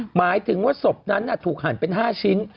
หมายถึงว่าศพนั้นถูกหั่นเป็น๕ชิ้น